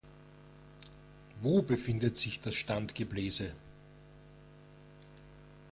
Wo befindet sich das Standgebläse?